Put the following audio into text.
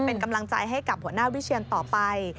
เป็นกำลังใจให้กับหัวหน้าวิเชียนต่อไป